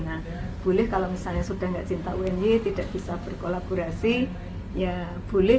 nah boleh kalau misalnya sudah tidak cinta unj tidak bisa berkolaborasi ya boleh